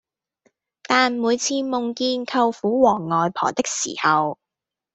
但每次夢見舅父和外婆的時候